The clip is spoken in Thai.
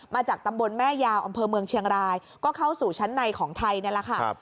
มาจากตำบลแม่ยาวอำเภอเมืองเชียงรายก็เข้าสู่ชั้นในของไทยนี่แหละค่ะ